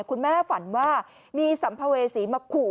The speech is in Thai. ฝันว่ามีสัมภเวษีมาขู่